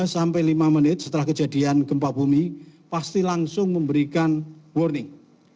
tiga sampai lima menit setelah kejadian gempa bumi pasti langsung memberikan warning